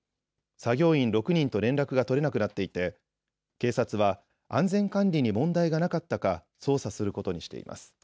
作業員６人と連絡が取れなくなっていて警察は安全管理に問題がなかったか捜査することにしています。